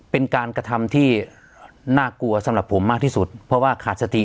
เป็นการกระทำที่น่ากลัวสำหรับผมมากที่สุดเพราะว่าขาดสติ